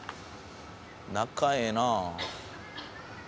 仲ええなあ。